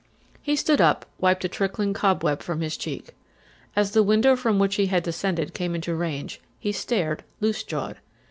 He stood up and wiped a tickling cobweb from his cheek. As the window from which he had descended came into range he stared, loose jawed.